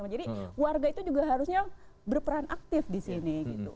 jadi warga itu juga harusnya berperan aktif di sini